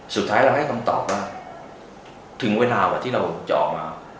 สุดท้ายเราให้คำตอบว่าถึงเวลากว่าที่เราจะออกมา